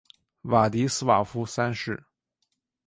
瓦迪斯瓦夫三世。